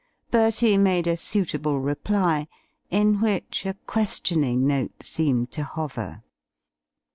Bertie made a suitable reply, in which a questioning note seemed to hover.